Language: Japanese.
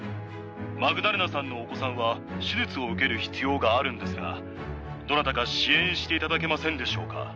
マグダレナさんのお子さんは手術を受ける必要があるんですが、どなたか支援していただけませんでしょうか。